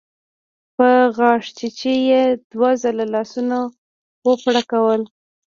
په غاښچيچي يې دوه ځله لاسونه وپړکول.